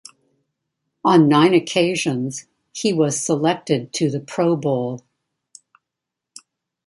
On nine occasions, he was selected to the Pro Bowl.